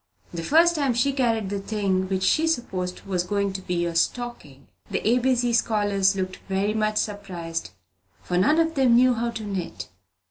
The first time she carried the thing which she supposed was going to be a stocking, the A B C scholars looked very much surprised, for none of them knew how to knit.